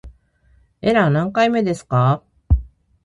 エラー何回目ですか